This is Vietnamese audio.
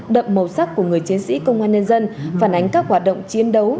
đậm màu sắc của người chiến sĩ công an nhân dân phản ánh các hoạt động chiến đấu